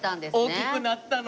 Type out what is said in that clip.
大きくなったの。